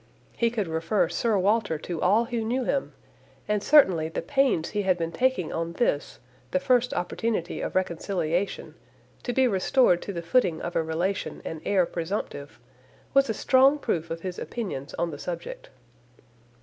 He could refer Sir Walter to all who knew him; and certainly, the pains he had been taking on this, the first opportunity of reconciliation, to be restored to the footing of a relation and heir presumptive, was a strong proof of his opinions on the subject.